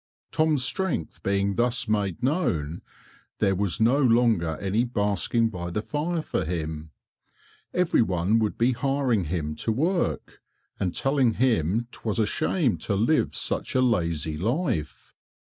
Tom's strength being thus made known there was no longer any basking by the fire for him; every one would be hiring him to work, and telling him 't was a shame to live such a lazy life.